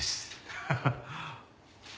ハハハッ。